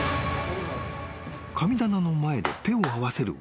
［神棚の前で手を合わせる渡邊］